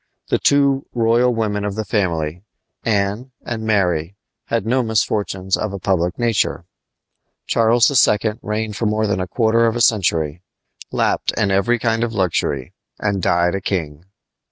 The two royal women of the family Anne and Mary had no misfortunes of a public nature. Charles II. reigned for more than a quarter of a century, lapped in every kind of luxury, and died a king.